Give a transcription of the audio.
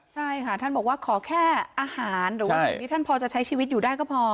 ใช่ค่ะท่านบอกว่าขอแค่อาหารหรือว่าสิ่งที่ท่านพอจะใช้ชีวิตอยู่ได้ก็พอ